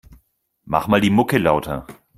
Mach mal die Mucke lauter.